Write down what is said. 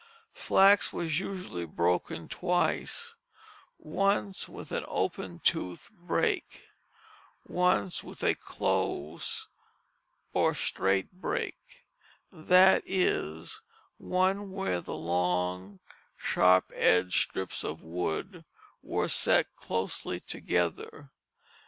Flax was usually broken twice, once with an "open tooth brake," once with a "close or strait brake," that is, one where the long, sharp edge strips of wood were set closely together.